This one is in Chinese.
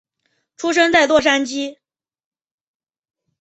出生在洛杉矶。